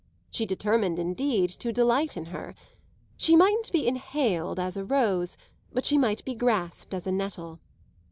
She determined indeed to delight in her. She mightn't be inhaled as a rose, but she might be grasped as a nettle.